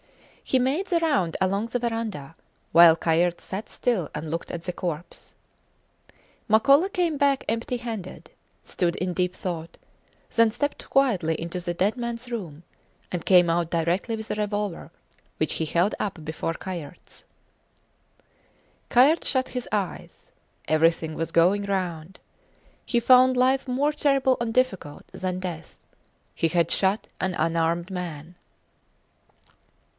He made the round along the verandah, while Kayerts sat still and looked at the corpse. Makola came back empty handed, stood in deep thought, then stepped quietly into the dead mans room, and came out directly with a revolver, which he held up before Kayerts. Kayerts shut his eyes. Everything was going round. He found life more terrible and difficult than death. He had shot an unarmed man.